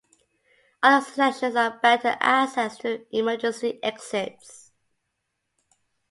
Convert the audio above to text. Other suggestions are better access to emergency exits.